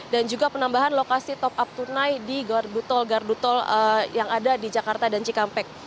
dan juga penambahan lokasi top up tunai di gardu tol gardu tol yang ada di jakarta dan cikampek